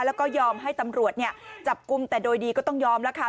แล้วก็ยอมให้ตำรวจเนี่ยจับกลุ่มแต่โดยดีก็ต้องยอมแล้วค่ะ